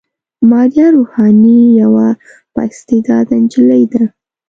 ماريه روحاني يوه با استعداده نجلۍ ده.